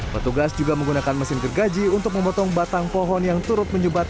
petugas juga menggunakan mesin gergaji untuk memotong batang pohon yang turut menyebat